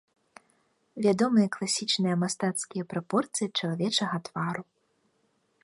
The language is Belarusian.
Вядомыя класічныя мастацкія прапорцыі чалавечага твару.